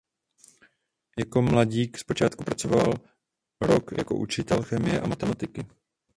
Jako mladík zpočátku pracoval rok jako učitel chemie a matematiky.